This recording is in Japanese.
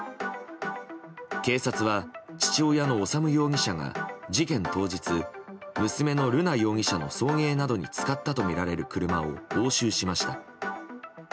警察は、父親の修容疑者が事件当日娘の瑠奈容疑者の送迎などに使ったとみられる車を押収しました。